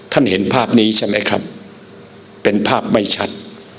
เห็นภาพนี้ใช่ไหมครับเป็นภาพไม่ชัด